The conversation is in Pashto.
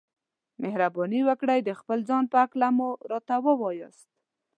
مهرباني وکړئ د خپل ځان په هکله مو راته ووياست.